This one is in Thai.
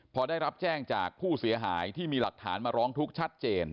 พอได้รับแจ้งจากผู้เสียหายที่มีหลักฐานมาร้องทุกข์ชัดเจน